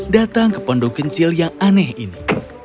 datang ke pondok kecil yang aneh ini